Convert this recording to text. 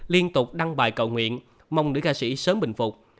liên tục đăng bài cầu nguyện mong nữ ca sĩ sớm bình phục